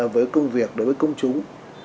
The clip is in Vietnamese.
với công việc đối với công chúng